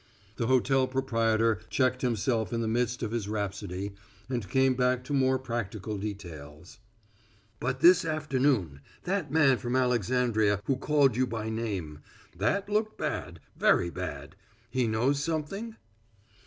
The hotel proprietor checked himself in the midst of his rhapsody, and came back to more practical details: "But this afternoon that man from Alexandria who called you by name. That looked bad very bad. He knows something?"